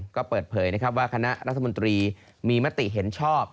ก็เปิดเผยนะครับว่าคณะรัฐมนตรีมีมติเห็นชอบ